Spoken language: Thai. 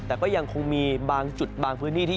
แต่ก็ยังคงมีบางจุดบางพื้นที่ที่